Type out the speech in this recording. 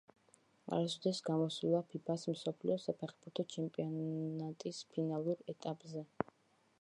არასოდეს გამოსულა ფიფა-ს მსოფლიო საფეხბურთო ჩემპიონატის ფინალურ ეტაპზე.